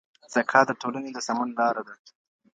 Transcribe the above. زکات د ټولني د سمون لاره ده.